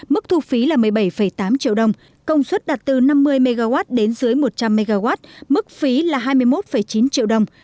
mức thu phí là một mươi bảy tám triệu đồng công suất đặt từ năm mươi mw đến dưới một trăm linh mw mức phí là hai mươi một chín triệu đồng